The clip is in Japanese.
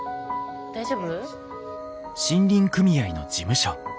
大丈夫？